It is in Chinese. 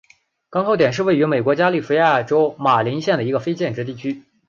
港口点是位于美国加利福尼亚州马林县的一个非建制地区。